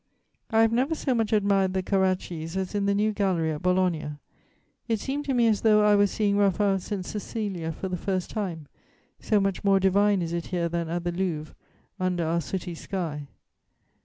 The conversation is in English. "I have never so much admired the Carraccis as in the new gallery at Bologna. It seemed to me as though I were seeing Raphael's St. Cecilia for the first time, so much more divine is it here than at the Louvre, under our sooty sky."